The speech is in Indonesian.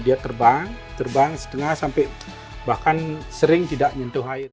dia terbang terbang setengah sampai bahkan sering tidak nyentuh air